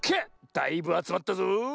だいぶあつまったぞ。